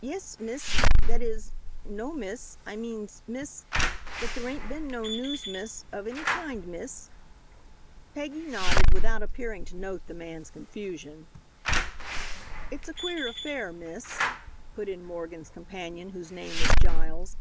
"Yes, miss that is no, miss. I means, miss, that there ain't been no news, miss, hof hany kind, miss." Peggy nodded without appearing to note the man's confusion. "It's a queer affair, miss," put in Morgan's companion, whose name was Giles.